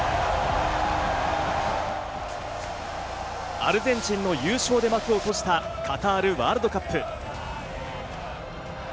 アルゼンチンの優勝で幕を閉じたカタールワールドカップ。